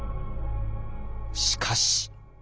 しかし。